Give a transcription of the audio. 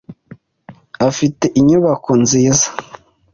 Afite inyubako nziza.